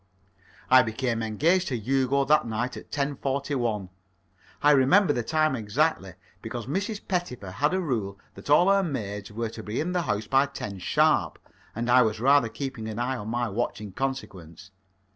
I became engaged to Hugo that night at 10.41. I remember the time exactly, because Mrs. Pettifer had a rule that all her maids were to be in the house by ten sharp, and I was rather keeping an eye on my watch in consequence.